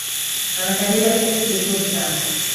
Amekalia kiti kizuri sana